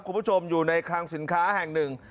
คุณผู้ชมอยู่ในคลังสินค้าแห่งหนึ่ง